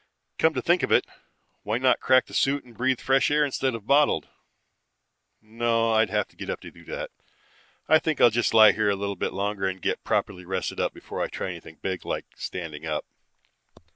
"Come to think of it, why not crack the suit and breath fresh air instead of bottled? "No. I'd have to get up to do that. I think I'll just lie here a little bit longer and get properly rested up before I try anything big like standing up.